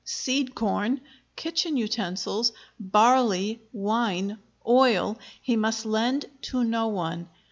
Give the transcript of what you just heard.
Seed corn, kitchen utensils, barley, wine, oil, he must lend to no one.